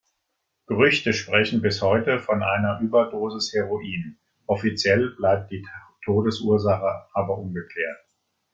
Gerüchte sprechen bis heute von einer Überdosis Heroin, offiziell bleibt die Todesursache aber ungeklärt.